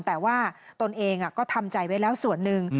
แต่ว่าตนเองก็ทำใจไว้แล้วส่วนหนึ่ง